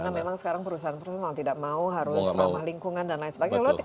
karena memang sekarang perusahaan harus mau tidak mau harus selama lingkungan dan lain sebagainya